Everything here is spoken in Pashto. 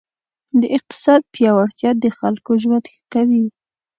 د اقتصاد پیاوړتیا د خلکو ژوند ښه کوي.